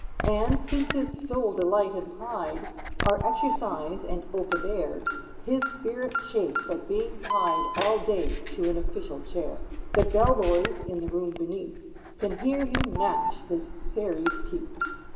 And, since his sole delight and pride Are exercise and open air, His spirit chafes at being tied All day to an official chair; The bell boys (in the room beneath) Can hear him gnash his serried teeth.